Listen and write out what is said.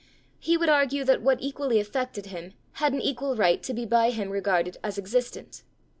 He would argue that what equally affected him had an equal right to be by him regarded as existent.